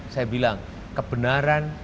saya bilang kebenaran